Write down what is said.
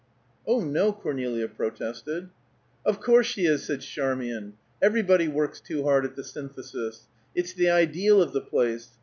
"Oh, no," Cornelia protested. "Of course she is!" said Charmian. "Everybody works too hard at the Synthesis. It's the ideal of the place.